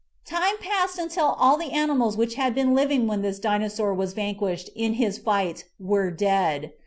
Time passed until all the animals which had been living when this Dinosaur was vanquished in his fight were dead.